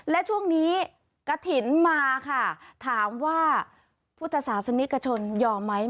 และช่วงนี้กระถิ่นมาค่ะถามว่าพุทธศาสนิกชนยอมไหม